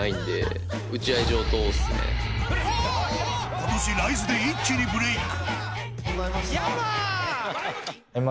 今年ＲＩＳＥで一気にブレーク。